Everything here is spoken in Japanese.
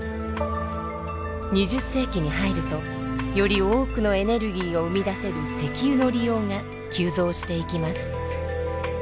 ２０世紀に入るとより多くのエネルギーを生み出せる石油の利用が急増していきます。